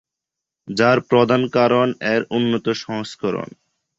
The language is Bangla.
যার প্রধান কারণ এর উন্নত সংস্করণ।